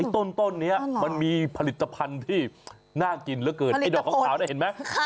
ต้นนี้มันมีผลิตภัณฑ์ที่น่ากินเหลือเกินไอ้ดอกขาวนี่เห็นไหม